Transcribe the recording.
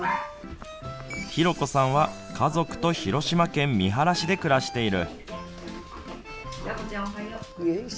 ひろこさんは家族と広島県三原市で暮らしている。